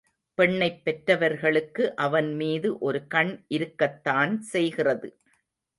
பெண்ணைப் பெற்றவர்களுக்கு அவன் மீது ஒரு கண் இருக்கத்தான் செய்கிறது.